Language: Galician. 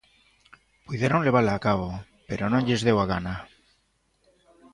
Puideron levala a cabo, pero non lles deu a gana.